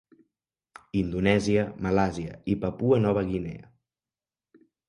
Indonèsia, Malàisia i Papua Nova Guinea.